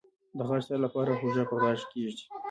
د غاښ درد لپاره هوږه په غاښ کیږدئ